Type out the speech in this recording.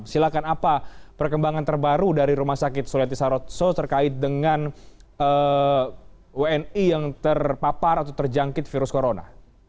silahkan apa perkembangan terbaru dari rumah sakit sulianti sarotso terkait dengan wni yang terpapar atau terjangkit virus corona